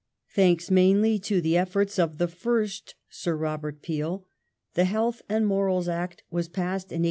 Thanks mainly to the efFoi ts of the first Sir Robert Peel, the ^' Health and Morals Act " was passed in 1802.